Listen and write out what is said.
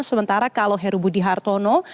sementara kalau heru budi hartono